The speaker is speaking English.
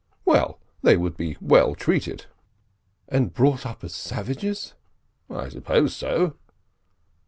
"Well, they would be well treated." "And brought up as savages?" "I suppose so."